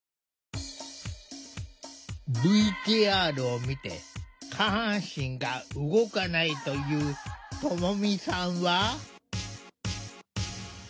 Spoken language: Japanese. ＶＴＲを見て下半身が動かないというともみさんは。